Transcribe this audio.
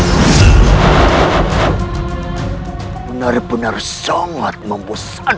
benar benar sangat membusankan